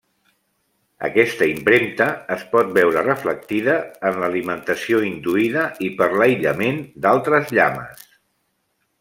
Aquesta impremta es pot veure reflectida en l'alimentació induïda i per l'aïllament d'altres llames.